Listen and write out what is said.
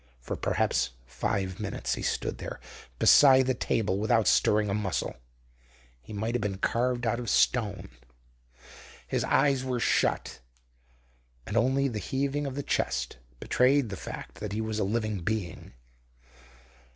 For perhaps five minutes he stood there beside the table without stirring a muscle. He might have been carved out of stone. His eyes were shut, and only the heaving of the chest betrayed the fact that he was a living being.